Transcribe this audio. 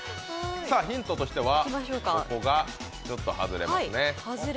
ヒントとしては、ここが外れますね。